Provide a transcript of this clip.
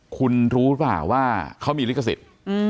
คุณรู้ป่ะว่าเขามีลิขสิทธิ์